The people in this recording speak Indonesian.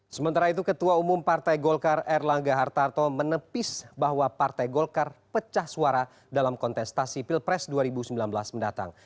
sementara itu ketua umum partai golkar erlangga hartarto menepis bahwa partai golkar pecah suara dalam kontestasi pilpres dua ribu sembilan belas mendatang